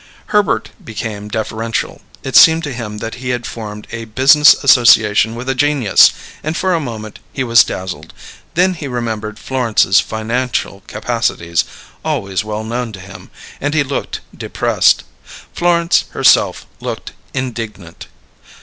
Herbert became deferential; it seemed to him that he had formed a business association with a genius, and for a moment he was dazzled; then he remembered Florence's financial capacities, always well known to him, and he looked depressed. Florence, herself, looked indignant.